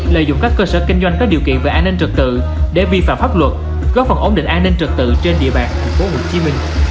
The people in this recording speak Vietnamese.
lợi dụng các cơ sở kinh doanh có điều kiện về an ninh trực tự để vi phạm pháp luật góp phần ổn định an ninh trực tự trên địa bàn tp hcm